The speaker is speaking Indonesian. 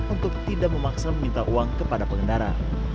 untuk tidak memaksa meminta uang kepada pengendara